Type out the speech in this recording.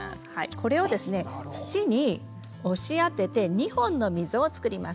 これを土に押し当てて２本の溝を作ります。